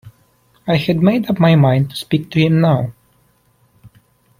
I had made up my mind to speak to him now.